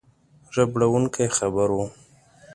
ربړوونکی خبر وو.